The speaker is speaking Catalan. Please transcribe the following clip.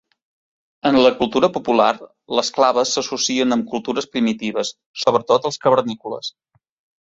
En la cultura popular, les claves s'associen amb cultures primitives, sobretot els cavernícoles.